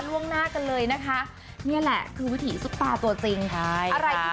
ล่วงหน้ากันเลยนะคะนี่แหละคือวิถีซุปตาตัวจริงใช่อะไรที่